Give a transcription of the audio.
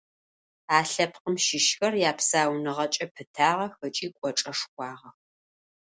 А лъэпкъым щыщхэр япсауныгъэкӏэ пытагъэх ыкӏи кӏочӏэшхуагъэх.